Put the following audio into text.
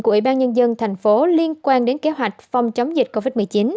của ủy ban nhân dân tp hcm liên quan đến kế hoạch phòng chống dịch covid một mươi chín